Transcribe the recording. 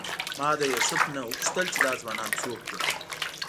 ما له یوسف نه وپوښتل چې دا ځوانان څوک وو.